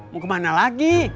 mau kemana lagi